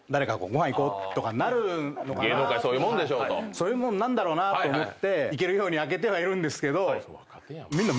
そういうもんと思って行けるように空けてはいるんですけど。